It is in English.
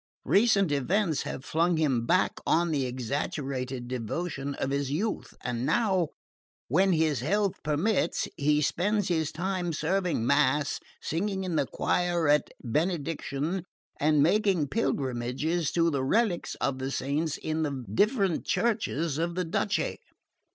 Recent events have flung him back on the exaggerated devotion of his youth, and now, when his health permits, he spends his time serving mass, singing in the choir at benediction and making pilgrimages to the relics of the saints in the different churches of the duchy.